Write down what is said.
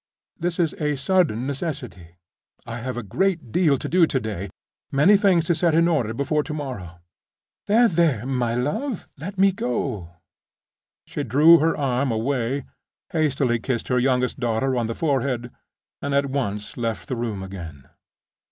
This is a sudden necessity—I have a great deal to do to day—many things to set in order before tomorrow. There, there, my love, let me go." She drew her arm away; hastily kissed her youngest daughter on the forehead; and at once left the room again.